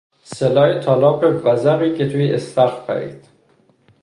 صدای تالاپ وزغی که توی استخر پرید